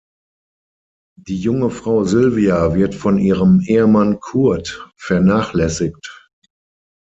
Die junge Frau Silvia wird von ihrem Ehemann Kurt vernachlässigt.